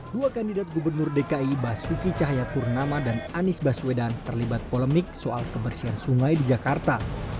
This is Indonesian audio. dua kandidat gubernur dki basuki cahayapurnama dan anies baswedan terlibat polemik soal kebersihan sungai di jakarta